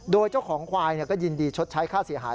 โดยเจ้าของควายก็ยินดีชดใช้ค่าเสียหาย